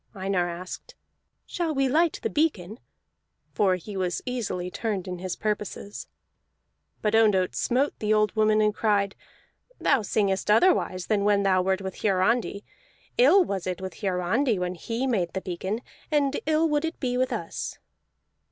Einar asked, "Shall we light the beacon?" For he was easily turned in his purposes. But Ondott smote the old woman, and cried: "Thou singest otherwise than when thou wert with Hiarandi. Ill was it with Hiarandi when he made the beacon, and ill would it be with us!"